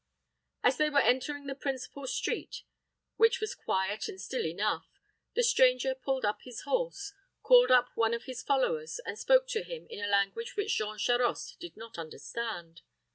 As they were entering the principal street, which was quiet and still enough, the stranger pulled up his horse, called up one of his followers, and spoke to him in a language which Jean Charost did not understand.